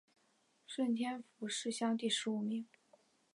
顺天府乡试第十五名。